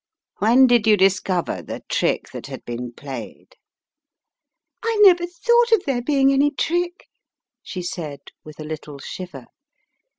When did you discover the trick that had been played?" "I never thought of there being any trick," she said with a little shiver.